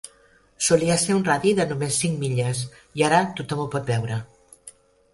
Solia ser un radi de només cinc milles, i ara tothom ho pot veure.